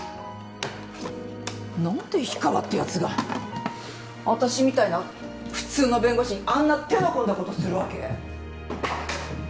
何で氷川ってやつが私みたいな普通の弁護士にあんな手の込んだことするわけ？